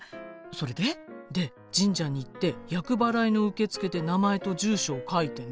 それで？で神社に行って厄払いの受付で名前と住所を書いてね。